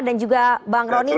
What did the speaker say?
dan juga bang roni